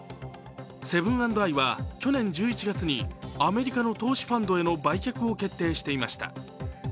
セブン＆アイは去年１１月にアメリカの投資ファンドへの売却を決定していました。